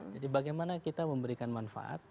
jadi bagaimana kita memberikan manfaat